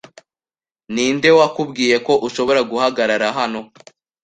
Ninde wakubwiye ko ushobora guhagarara hano?